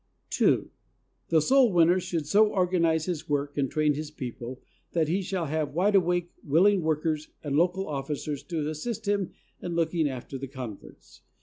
n. The soul winner should so organize his work and train his people that he shall have wide awake, willing workers and local officers to assist him in looking after the converts.